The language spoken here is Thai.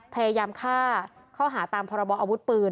พยายามฆ่าข้อหาตามพรบออาวุธปืน